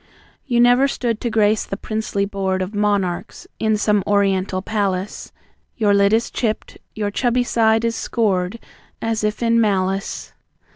You never stood to grace the princely board Of monarchs in some Oriental palace. Your lid is chipped, your chubby side is scored As if in malice.